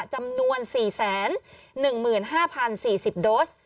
จำนวน๔๑๕๐๔๐โดส